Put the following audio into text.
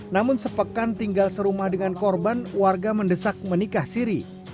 namun sepekan tinggal serumah dengan korban warga mendesak menikah siri